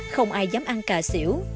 không ai dám ăn cà xỉu